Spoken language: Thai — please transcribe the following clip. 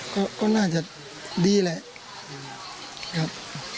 ก็น่าจะดีแหละครับ